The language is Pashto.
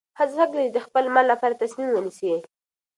ښځه حق لري چې د خپل مال لپاره تصمیم ونیسي.